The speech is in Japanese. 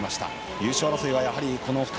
優勝争いはこの２人。